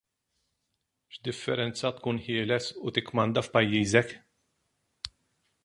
X'differenza tkun ħieles u tikkmanda f'pajjiżek!